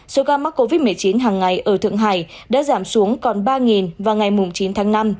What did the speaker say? số ca mắc covid một mươi chín hàng ngày ở thượng hải đã giảm xuống còn ba vào ngày chín tháng năm